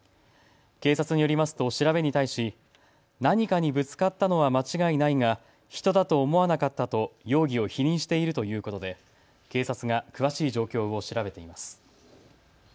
警察によりますと調べに対し何かにぶつかったのは間違いないが人だと思わなかったと容疑を否認しているということで警察が詳しい状況を調べています。